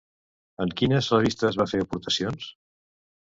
En quines revistes va fer aportacions?